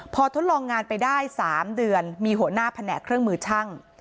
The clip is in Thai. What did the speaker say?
พอทดลองงานไปได้๓เดือนมีหัวหน้าแผนกเครื่องมือช่าง